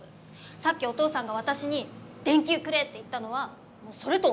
さっきおとうさんが私に電球くれって言ったのはそれと同じこと。